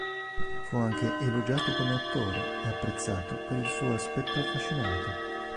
Fu anche elogiato come attore e apprezzato per il suo aspetto affascinante.